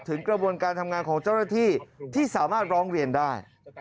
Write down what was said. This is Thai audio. กระบวนการทำงานของเจ้าหน้าที่ที่สามารถร้องเรียนได้